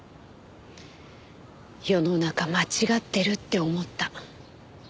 世の中間違ってるって思った。